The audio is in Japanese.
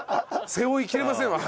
背負いきれませんわ。